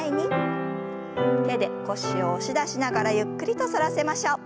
手で腰を押し出しながらゆっくりと反らせましょう。